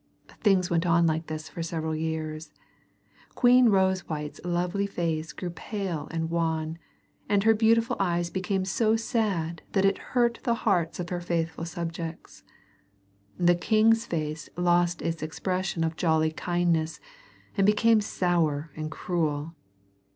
Things went on like this for several years. Queen Rosewhite's lovely face grew pale and wan, and her beautiful eyes became so sad that it hurt the hearts of her faithful subjects. The king's face lost its expression of jolly kindness and became sour and cruel.